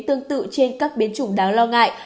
tương tự trên các biến chủng đáng lo ngại